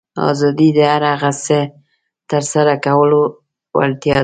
آزادي د هر هغه څه ترسره کولو وړتیا ده.